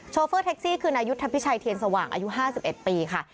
เฟอร์แท็กซี่คือนายุทธพิชัยเทียนสว่างอายุ๕๑ปีค่ะ